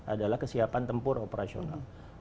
adalah kesiapan tempur operasional